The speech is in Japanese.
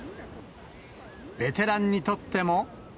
ベテランにとっても。